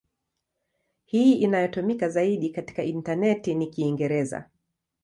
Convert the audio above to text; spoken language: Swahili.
Hii inayotumika zaidi katika intaneti ni Kiingereza.